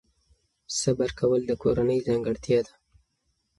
صبر کول د کورنۍ ځانګړتیا ده.